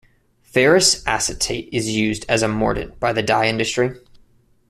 Ferrous acetate is used as a mordant by the dye industry.